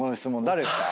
誰ですか？